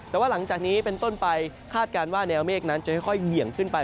แต่ว่าหลังจากนี้เป็นต้นไปคาดการณ์ว่าแนวเมฆนั้นจะค่อยเบี่ยงขึ้นไป